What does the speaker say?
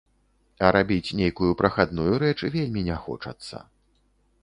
А рабіць нейкую прахадную рэч вельмі не хочацца.